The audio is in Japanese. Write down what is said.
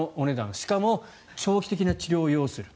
しかも、長期的な治療を要する。